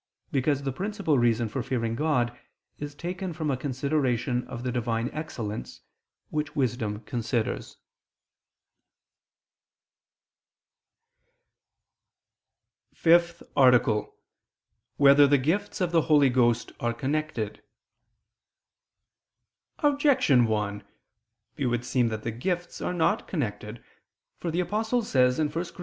Because the principal reason for fearing God is taken from a consideration of the Divine excellence, which wisdom considers. ________________________ FIFTH ARTICLE [I II, Q. 68, Art. 5] Whether the Gifts of the Holy Ghost Are Connected? Objection 1: It would seem that the gifts are not connected, for the Apostle says (1 Cor.